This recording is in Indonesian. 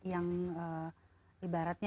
yang berada di daerah mana saja